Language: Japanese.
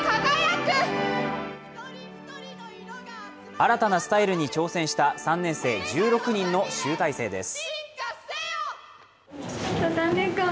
新たなスタイルに挑戦した３年生１６人の集大成です。